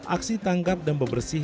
aksi tanggap dan membersih